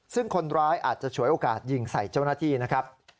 ซึ่งคนร้ายอาจจะฉวยโอกาสยิงใส่เจ้าหน้าที่นะครับ